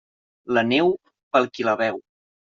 La neu, pel qui la veu.